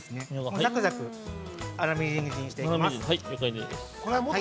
ざくざく粗みじん切りにしていきます。